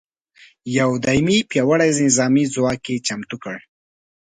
یو دایمي پیاوړي نظامي ځواک یې چمتو کړ.